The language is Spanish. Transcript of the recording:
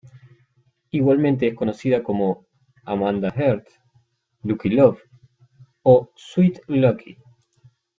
Igualmente es conocida como Amanda Heart, Lucky Love o Sweet Lucky.